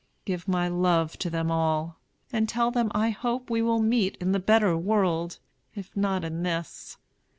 Give my love to them all, and tell them I hope we will meet in the better world, if not in this.